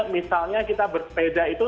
misalnya kita bersepeda itu